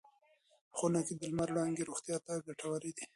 په خونه کې د لمر وړانګې روغتیا ته ګټورې دي.